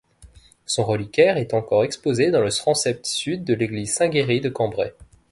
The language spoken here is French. Son reliquaire est encore exposé dans le transept sud de l'église Saint-Géry de Cambrai.